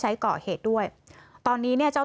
คุณผู้สายรุ่งมโสผีอายุ๔๒ปี